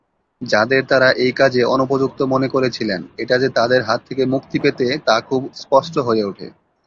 যাঁদের তারা এই কাজে অনুপযুক্ত মনে করেছিলেন, এটা যে তাদের হাত থেকে মুক্তি পেতে, তা খুব স্পষ্ট হয়ে ওঠে।